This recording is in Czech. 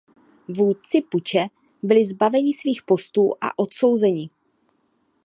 Vůdci puče byli zbaveni svých postů a odsouzeni.